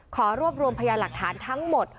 ขอรวบรวมทราบอย่างหลักฐานทั้งหมด